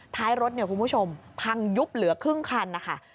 ท้ายรถเนี่ยคุณผู้ชมพังยุบเหลือครึ่งคันนะคะ